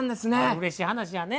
うれしい話やね。